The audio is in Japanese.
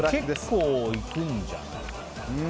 結構いくんじゃないかな。